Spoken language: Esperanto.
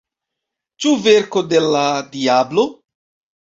Ĉu verko de la diablo?